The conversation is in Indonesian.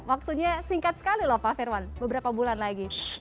waktunya singkat sekali loh pak firman beberapa bulan lagi